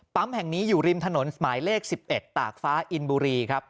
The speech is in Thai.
แห่งนี้อยู่ริมถนนหมายเลข๑๑ตากฟ้าอินบุรีครับ